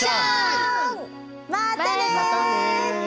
またね！